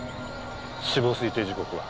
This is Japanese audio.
死亡推定時刻は？